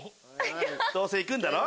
どうせ行くんだろ？